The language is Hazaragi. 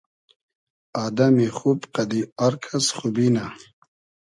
آدئمی خوب قئدی آر کئس خوبی نۂ